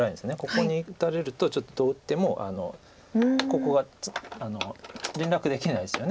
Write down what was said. ここに打たれるとちょっとどう打ってもここが連絡できないですよね。